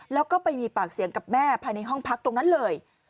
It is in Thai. แล้วก็ไปมีปากเสียงกับแม่ภายในห้องพักตรงนั้นเลย